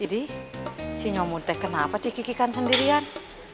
jadi si nyomu teh kenapa cikikikan sendirian